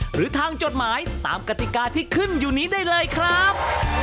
หรือทางจดหมายตามกติกาที่ขึ้นอยู่นี้ได้เลยครับ